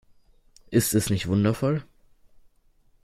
Ist es nicht wundervoll?